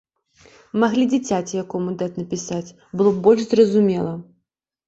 Маглі дзіцяці якому даць напісаць, было б больш зразумела.